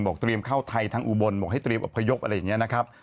เตรียมเข้าไทยทางอุบลบอกให้เตรียมอบพยพอะไรอย่างนี้นะครับ